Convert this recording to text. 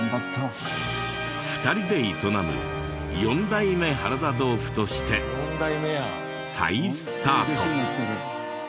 ２人で営む４代目原田豆冨として再スタート。